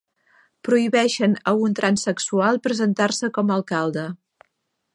Prohibeixen a un transsexual presentar-se com a alcalde